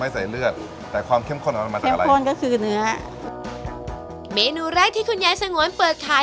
แต่ความเข้มข้นมันมาจากอะไรเข้มข้นก็คือเนื้อเมนูแรกที่คุณยายสงวนเปิดขาย